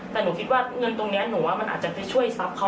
แต่หนูคิดว่าเงินตรงนี้หนูว่ามันอาจจะไปช่วยทรัพย์เขา